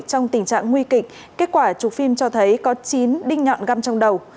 trong tình trạng nguy kịch kết quả chụp phim cho thấy có chín đinh nhọn găm trong đầu